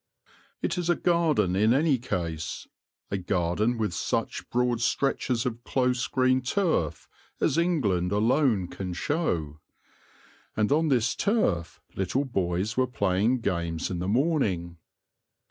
It is a garden in any case, a garden with such broad stretches of close green turf as England alone can show; and on this turf little boys were playing games in the morning.